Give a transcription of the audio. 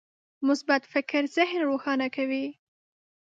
مثبت فکر ذهن روښانه کوي.